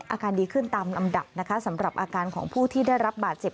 อาการดีขึ้นตามลำดับนะคะสำหรับอาการของผู้ที่ได้รับบาดเจ็บ